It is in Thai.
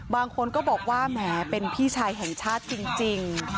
บางคนก็บอกว่าแหมเป็นพี่ชายแห่งชาติจริง